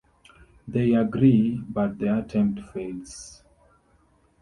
They agree, but the attempt fails.